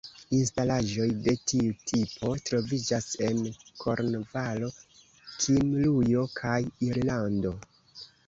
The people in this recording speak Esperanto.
Instalaĵoj de tiu tipo troviĝas en Kornvalo, Kimrujo kaj Irlando.